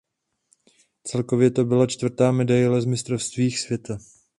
Celkově to byla čtvrtá medaile z mistrovstvích světa.